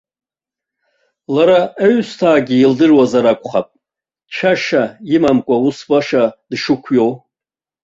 Лара аҩсҭаагьы илдыруазар акәхап цәашьа имамкәа ус баша дшықәиоу.